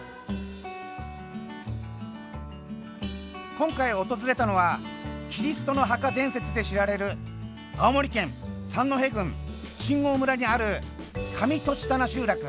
今回訪れたのはキリストの墓伝説で知られる青森県三戸郡新郷村にある上栃棚集落。